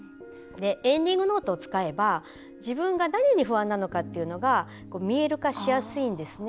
エンディングノートを使えば自分が何に不安なのかが見える化しやすいんですね。